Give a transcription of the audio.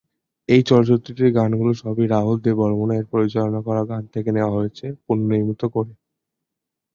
এই চলচ্চিত্রটির গানগুলোর সবই রাহুল দেব বর্মণ এর পরিচালনা করা গান থেকে নেওয়া হয়েছে পুনর্নির্মিত করে।